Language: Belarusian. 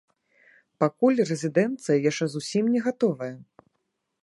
Пакуль рэзідэнцыя яшчэ зусім не гатовая.